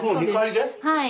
はい。